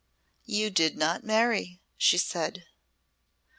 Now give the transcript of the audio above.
"You did not marry," she said.